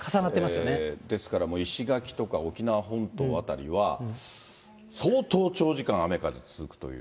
ですから、石垣とか沖縄本島辺りは、相当長時間、雨風続くという。